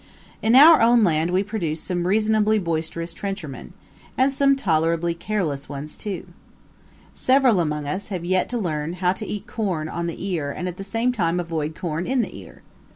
In our own land we produce some reasonably boisterous trenchermen, and some tolerably careless ones too. Several among us have yet to learn how to eat corn on the ear and at the same time avoid corn in the ear.